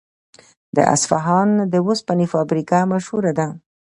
د اصفهان د وسپنې فابریکه مشهوره ده.